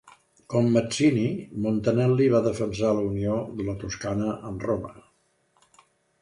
Com Mazzini, Montanelli va defensar la unió de la Toscana amb Roma.